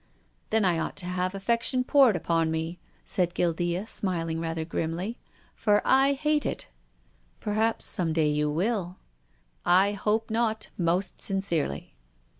" Then I ought to have affection poured upon me," said Guildea, smiling rather grimly. " For I hate it." " Perhaps some day you will." " I hope not, most sincerely."